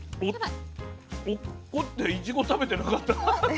落っこっていちご食べてなかった。